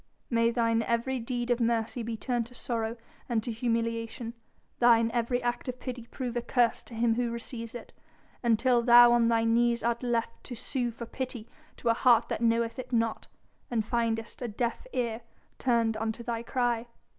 "May thine every deed of mercy be turned to sorrow and to humiliation, thine every act of pity prove a curse to him who receives it, until thou on thy knees art left to sue for pity to a heart that knoweth it not, and findest a deaf ear turned unto thy cry!"